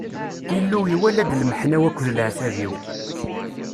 Illu iwala-d lmeḥna-w akked leɛtab-iw.